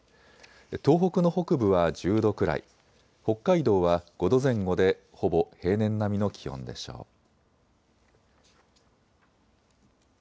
東北の北部は１０度くらい、北海道は５度前後でほぼ平年並みの気温でしょう。